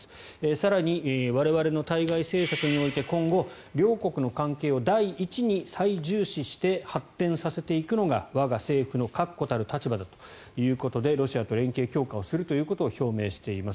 更に我々の対外政策において今後、両国の関係を第一に最重視して発展させていくのが、我が政府の確固たる立場だということでロシアと連携強化をすることを表明しています。